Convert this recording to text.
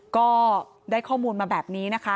ก็ได้ข้อมูลมาแบบนี้นะคะ